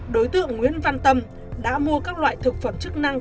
đối tượng nguyễn văn tâm đã mua các loại thực phẩm chức năng